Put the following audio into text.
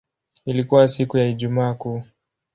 Ilikuwa siku ya Ijumaa Kuu.